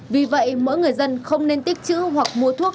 vì vậy mỗi người dân không nên tích chữ hoặc mua thuốc